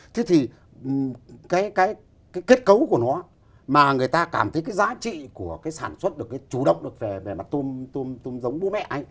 thế thì cái kết cấu của nó mà người ta cảm thấy cái giá trị của cái sản xuất được cái chủ động được về mặt tôm tôm giống bố mẹ anh